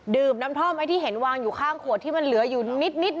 น้ำท่อมไอ้ที่เห็นวางอยู่ข้างขวดที่มันเหลืออยู่นิด